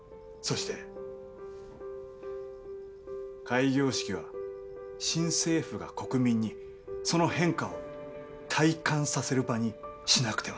開業式は新政府が国民にその変化を体感させる場にしなくてはならない。